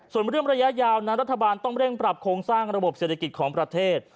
ส่วนเรื่องระยะยาวนั้นรัฐบาลต้องเร่งปรับโครงสร้างระบบเศรษฐกิจของประเทศ